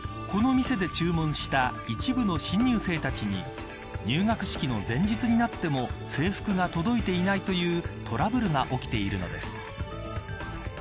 この店で注文した一部の新入生たちに入学式の前日になっても制服が届いていないというトラブルが起きているのです。